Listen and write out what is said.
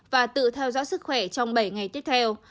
và tự theo dõi sức khỏe trong bảy ngày tiếp theo